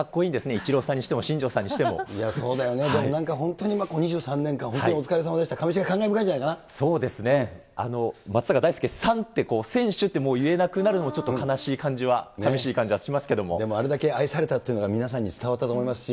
イチローさんにしても新庄さんにしても。いや、そうだよね、本当に２３年間、本当にお疲れさまでした、上重、感慨深いんじゃないかそうですね、松坂大輔さんって、選手ってもう言えなくなるのもちょっと悲しい感じは、さみしい感でもあれだけ愛されたというのが皆さんに伝わったと思いますし。